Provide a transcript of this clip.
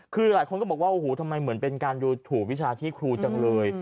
คือหลายคนก็บอกว่าโอ้โหทำไมเหมือนเป็นการดูถูกวิชาชีพครูจังเลย